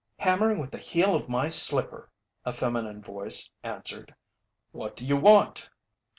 "Hammering with the heel of my slipper," a feminine voice answered. "What do you want?"